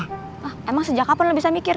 wah emang sejak kapan lo bisa mikir